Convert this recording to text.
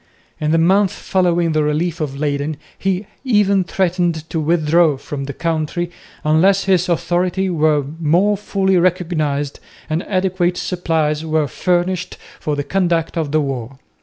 In the month following the relief of Leyden he even threatened to withdraw from the country unless his authority were more fully recognised and adequate supplies were furnished for the conduct of the war.